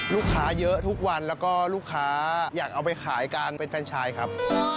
ลูกค้าเยอะทุกวันแล้วก็ลูกค้าอยากเอาไปขายการเป็นแฟนชายครับ